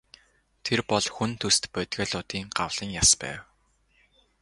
Тэр бол хүн төст бодгалиудын гавлын яс байв.